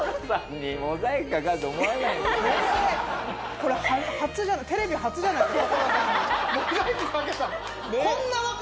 これテレビ初じゃないですか？